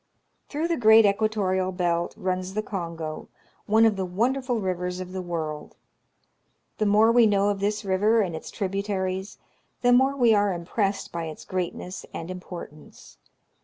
Through the great equatorial belt runs the Kongo, one of the wonderful rivers of the world. The more we know of this river and its tributaries, the more we are impressed by its greatness and importance.